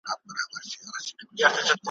تور ببر- ببر برېتونه ,